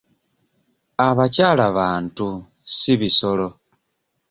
Abyakala bantu, si bisolo.